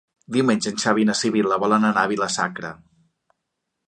Diumenge en Xavi i na Sibil·la volen anar a Vila-sacra.